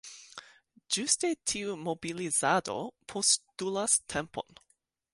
Ĝuste tiu mobilizado postulas tempon.